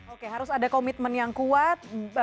oke harus ada komitmen yang kuat